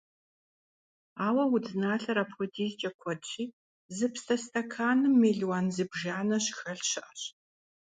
Ауэ удзналъэр апхуэдизкӀэ куэдщи, зы псы стэканым мелуан зыбжанэ щыхэлъ щыӀэщ.